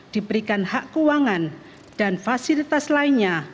diberikan hak keuangan dan fasilitas lainnya